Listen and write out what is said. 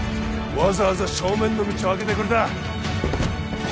わざわざ正面の道をあけてくれた